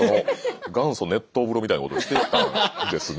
元祖熱湯風呂みたいなことしてたんですね。